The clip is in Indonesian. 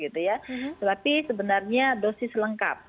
tapi sebenarnya dosis lengkap